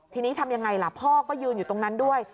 ทีนี้ทำยังไงล่ะพ่อก็ยืนอยู่ตรงนั้นด้วย